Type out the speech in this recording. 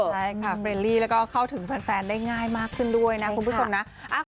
ใช่ค่ะเฟรนลี่แล้วก็เข้าถึงแฟนได้ง่ายมากขึ้นด้วยนะคุณผู้ชมนะ